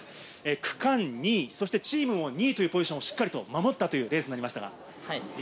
区間２位、チームも２位というポジションをしっかり守ったレースになりました。